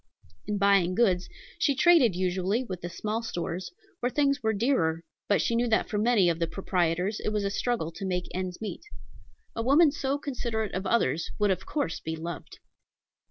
In buying goods she traded usually with the small stores, where things were dearer, but she knew that for many of the proprietors it was a struggle to make ends meet. A woman so considerate of others would of course be loved.